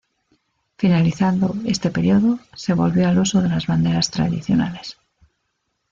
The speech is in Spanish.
Finalizado este periodo, se volvió al uso de las banderas tradicionales.